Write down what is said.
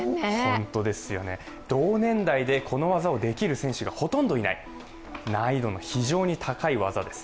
同年代でこの技をできる選手がほとんどいない難易度の非常に高い技です。